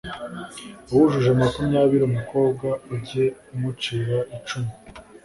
Uwujuje makumyabiri umukobwa ujye umucira icumi